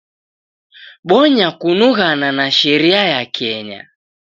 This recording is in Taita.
Bonya kunughana na sheria ya Kenya.